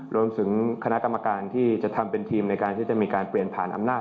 รวมถึงคณะกรรมการที่จะทำเป็นทีมในการที่จะมีการเปลี่ยนผ่านอำนาจ